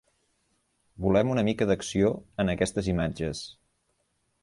Volem una mica d'acció en aquestes imatges.